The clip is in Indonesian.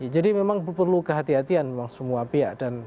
jadi memang perlu kehati hatian memang semua pihak